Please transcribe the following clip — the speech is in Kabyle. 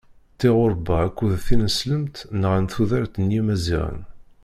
Tiɛuṛba akked tineslemt nɣant tudert n yimaziɣen.